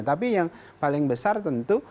tapi yang paling besar tentu